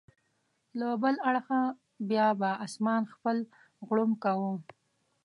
له بل اړخه به بیا اسمان خپل غړومب کاوه.